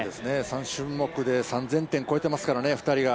３種目で３０００点超えてますからね、２人が。